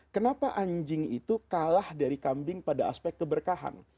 kenapa anjing itu kalah dari kambing pada aspek keberkahan